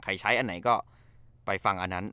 ใช้อันไหนก็ไปฟังอันนั้น